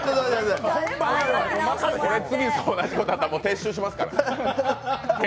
次、同じことやったら撤収しますからね。